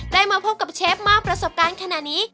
มาพบกับเชฟมากประสบการณ์ขนาดนี้